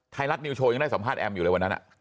ไทยรัฐนิวโชว์ยังได้สัมภาษแอมอยู่เลยวันนั้น